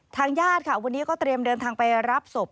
ทางญาติค่ะวันนี้ก็เตรียมเดินทางไปรับศพ